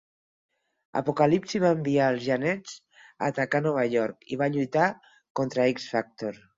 Apocalipsi va enviar els Genets a atacar Nova York i va lluitar contra X-Factor.